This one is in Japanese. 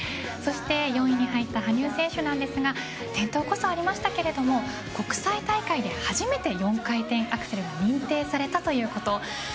そして４位に入った羽生選手ですが転倒こそありましたが国際大会で初めて４回転アクセルを認定されたということ。